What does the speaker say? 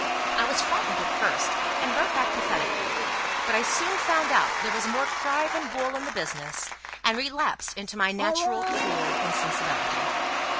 I was frightened at first, and wrote back pathetically; but I soon found out there was more cry than wool in the business, and relapsed into my natural cruel insensibility.